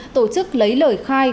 tổ chức lấy lời khai